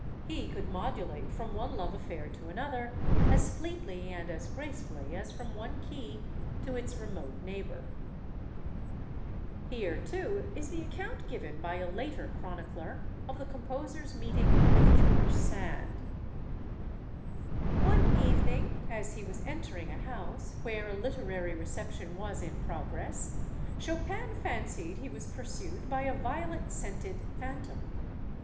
He could modulate from one love affair to another as fleetly and as gracefully as from one key to its remote neighbor. 170 STORIES OF THE SUPER WOMEN Here, too, is the account given by a later chronicler of the composer's meeting with George Sand: One evening, as he was entering a house where a literary re ception was in progress, Chopin fancied he was pursued by a violet scented phantom.